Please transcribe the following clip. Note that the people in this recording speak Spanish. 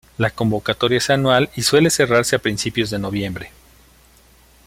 La convocatoria es anual y suele cerrarse a principios de noviembre.